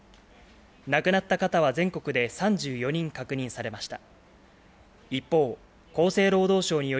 亡くなった方は全国で３４人確認されました。